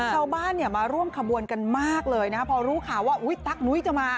ชาวบ้านเนี่ยมาร่วมขบวนกันมากเลยนะพอรู้ข่าวว่าอุ๊ยตั๊กนุ้ยจะมา